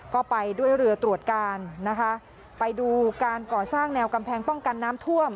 ก็ไปด้วยเรือตรวจการนะคะไปดูการก่อสร้างแนวกำแพงป้องกันน้ำท่วม